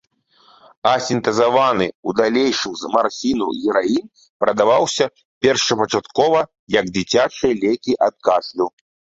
А сінтэзаваны ў далейшым з марфіну гераін прадаваўся першапачаткова як дзіцячыя лекі ад кашлю.